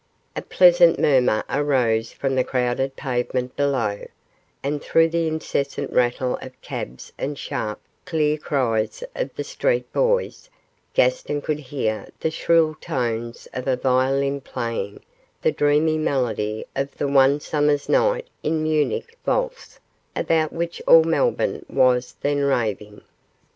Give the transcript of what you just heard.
A pleasant murmur arose from the crowded pavement below, and through the incessant rattle of cabs and sharp, clear cries of the street boys, Gaston could hear the shrill tones of a violin playing the dreamy melody of the 'One Summer's Night in Munich' valse, about which all Melbourne was then raving.